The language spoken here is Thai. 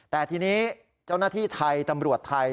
แต่ทีนี้เจ้าหน้าที่ไทยตำรวจไทย